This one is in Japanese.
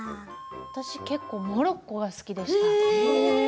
私、結構モロッコが好きでした。